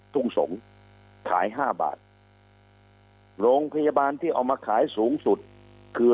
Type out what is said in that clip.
ทุ่งสงศ์ขายห้าบาทโรงพยาบาลที่เอามาขายสูงสุดคือ